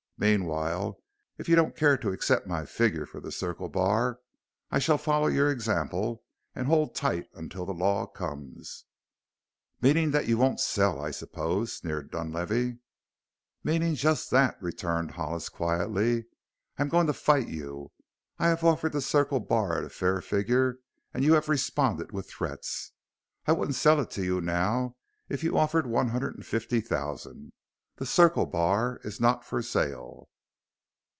Meanwhile, if you don't care to accept my figure for the Circle Bar I shall follow your example and hold tight until the law comes." "Meaning that you won't sell, I suppose?" sneered Dunlavey. "Meaning just that," returned Hollis quietly. "I am going to fight you. I have offered the Circle Bar at a fair figure and you have responded with threats. I wouldn't sell to you now if you offered one hundred and fifty thousand. The Circle Bar is not for sale!"